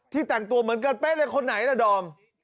แต่งตัวเหมือนกันเป๊ะเลยคนไหนล่ะดอม